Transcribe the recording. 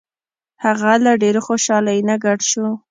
هغه له ډیرې خوشحالۍ نه ګډ شو.